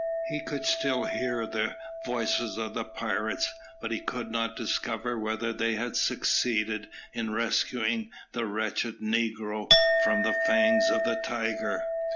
He could still hear the voices of the pirates, but he could not discover whether they had succeeded in rescuing the wretched negro from the fangs of the tiger.